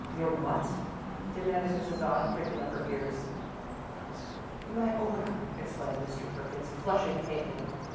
"Your what?" demanded Mrs. Dodd, pricking up her ears. "My aura," explained Mr. Perkins, flushing faintly.